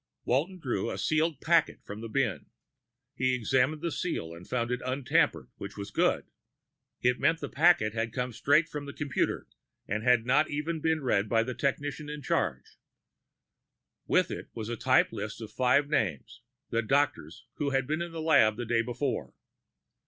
Walton drew a sealed packet from the bin. He examined the seal and found it untampered, which was good; it meant the packet had come straight from the computer, and had not even been read by the technician in charge. With it was a typed list of five names the doctors who had been in the lab the day before.